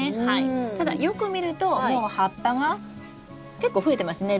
ただよく見るともう葉っぱが結構増えてますね。